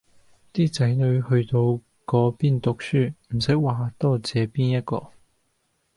啲仔女去到嗰邊讀書唔使話多謝邊一個